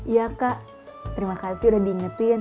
iya kak terima kasih udah diingetin